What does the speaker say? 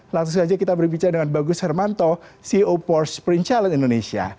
langsung saja kita berbicara dengan bagus hermanto ceo for sprint challenge indonesia